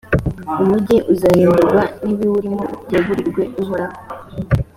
umugi uzarimburwa n’ibiwurimo byegurirwe uhoraho.